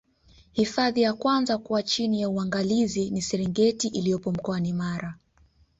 hifadhi ya kwanza kuwa chini ya uangalizi ni serengeti iliyopo mkoani mara